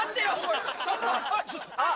あっ！